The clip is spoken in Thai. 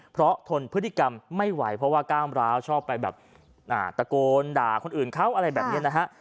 เพราะทนพฤติกรรมไม่ไหวเพราะว่ากล้ามร้าวชอบไปแบบตะโกนด่าคนอื่นเขาอะไรแบบนี้นะฮะ